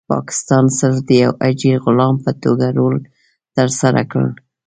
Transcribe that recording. پاکستان صرف د یو اجیر غلام په توګه رول ترسره کړ.